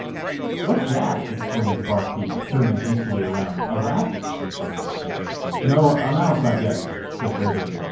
"What's that?" exclaimed the barkeeper, turning hastily around, "a rat?" "No, a mouse, I guess!" said Rivers.